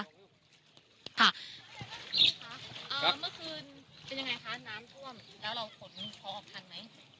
ค่ะเมื่อคืนเป็นยังไงคะน้ำท่วมแล้วเราขนพอออกทันไหม